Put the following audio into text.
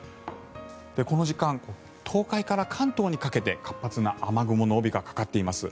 この時間東海から関東にかけて活発な雨雲の帯がかかっています。